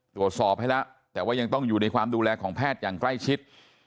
ตรวจสอบให้แล้วแต่ว่ายังต้องอยู่ในความดูแลของแพทย์อย่างใกล้ชิด